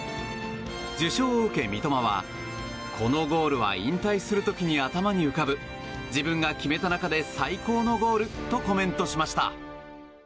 受賞を受け三笘は、このゴールは引退する時に頭に浮かぶ自分が決めた中で最高のゴールとコメントしました。